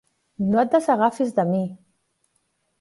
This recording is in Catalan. No et desagafis de mi.